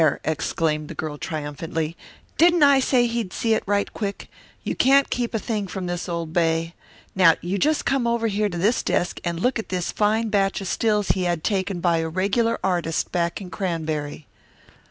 exclaimed the girl triumphantly. "Didn't I say he'd see it right quick? You can't keep a thing from this old bey. Now you just came over here to this desk and look at this fine batch of stills he had taken by a regular artist back in Cranberry."